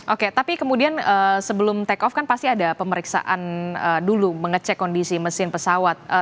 oke tapi kemudian sebelum take off kan pasti ada pemeriksaan dulu mengecek kondisi mesin pesawat